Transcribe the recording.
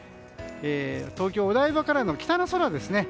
東京・お台場からの北の空です。